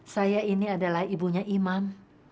saya ini adalah ibunya iman